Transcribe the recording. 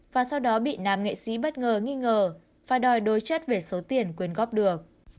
và sau đó bị nam nghệ sĩ bất ngờ nghi ngờ phải đòi đối chất về số tiền quyên góp được